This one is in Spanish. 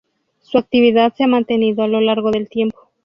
Su actividad se ha mantenido a lo largo del tiempo.